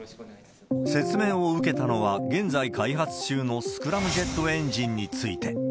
説明を受けたのは、現在開発中のスクラムジェットエンジンについて。